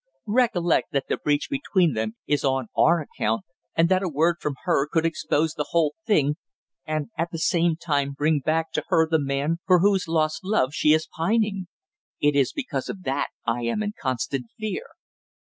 "Recollect that the breach between them is on our account, and that a word from her could expose the whole thing, and at the same time bring back to her the man for whose lost love she is pining. It is because of that I am in constant fear."